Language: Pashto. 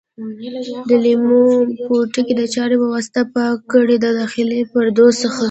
د لیمو پوټکي د چاړې په واسطه پاک کړئ د داخلي پردو څخه.